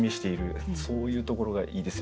そういうところがいいですよね。